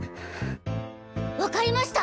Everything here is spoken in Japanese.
わかりました！